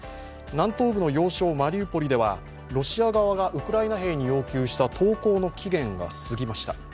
南東部の要衝・マリウポリではロシア側がウクライナ兵に要求した投降の期限が過ぎました。